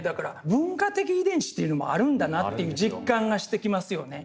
文化的遺伝子というのもあるんだなっていう実感がしてきますよね。